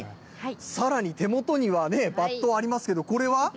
さらに手元にはね、バットありますけど、これは？